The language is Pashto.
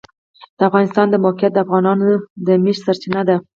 د افغانستان د موقعیت د افغانانو د معیشت سرچینه ده.